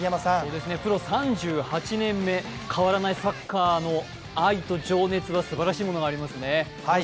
プロ３８年目、変わらないサッカーの愛と情熱はすばらしいものがありますね。